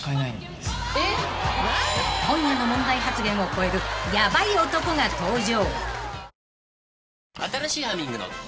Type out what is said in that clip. ［今夜の問題発言を超えるヤバい男が登場］